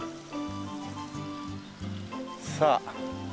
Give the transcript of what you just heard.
さあ。